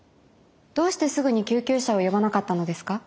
どうしてすぐに救急車を呼ばなかったのですか？